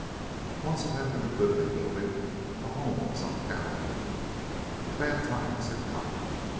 Once it had been a goodly building, the home of some cattle king. But bad times had come.